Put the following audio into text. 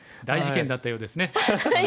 大事件だったようですね。